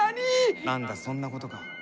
何だそんなことか。